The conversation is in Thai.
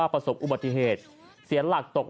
ออกมาเร็ว